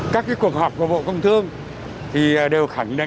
các cuộc họp của bộ công thương thì đều khẳng định